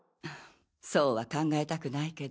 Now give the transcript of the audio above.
そうは考えたくないけど。